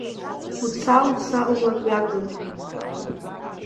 Уца, уца, умлакҩакын!